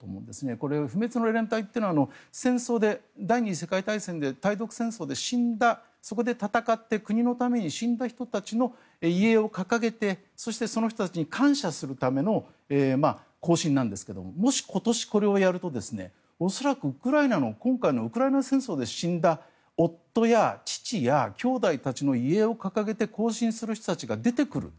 これ、不滅の連隊というのは戦争で、第２次世界大戦で対独戦争で死んだそこで戦って国のために死んだ人たちの遺影を掲げてそしてその人たちに感謝するための行進なんですがもし今年、これをやると恐らく今回のウクライナ戦争で死んだ夫や父やきょうだいたちの遺影を掲げて更新する人たちが出てくる。